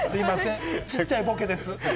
ちっちゃいボケです。